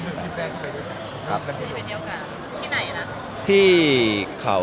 อืมคุณเขียวผมได้รูปก่อนลงได้หรือเปล่าคุณเขียวผมได้รูปก่อนลงได้หรือเปล่า